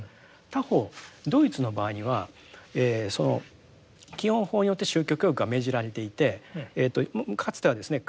他方ドイツの場合には基本法によって宗教教育が命じられていてかつてはですね